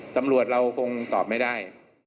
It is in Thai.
ตำรวจเราคงตอบไม่ได้